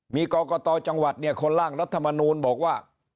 มีกรกตจังหวัดเนี่ยคนล่างรัฐมนูลบอกว่า